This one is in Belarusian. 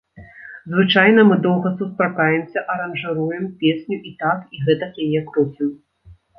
Звычайна мы доўга сустракаемся, аранжыруем песню, і так, і гэтак яе круцім.